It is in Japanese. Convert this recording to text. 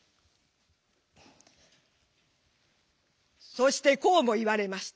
「そしてこうも言われました。